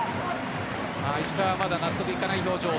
石川、まだ納得いかない表情。